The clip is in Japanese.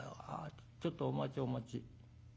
ちょっとお待ちお待ち。